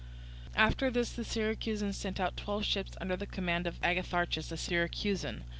After this the Syracusans sent out twelve ships under the command of Agatharchus, a Syracusan.